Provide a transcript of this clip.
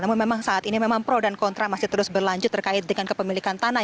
namun memang saat ini memang pro dan kontra masih terus berlanjut terkait dengan kepemilikan tanah